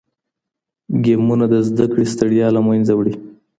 ګیمونه د زده کړې ستړیا له منځه وړي.